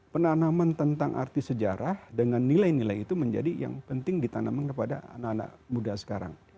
penanaman tentang arti sejarah dengan nilai nilai itu menjadi yang penting ditanamkan kepada anak anak muda sekarang